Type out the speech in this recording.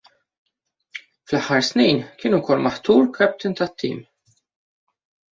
Fl-aħħar snin kien ukoll maħtur captain tat-tim.